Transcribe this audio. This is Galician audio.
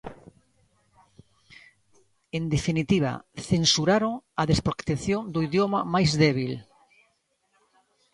En definitiva, censuraron "a desprotección do idioma máis débil".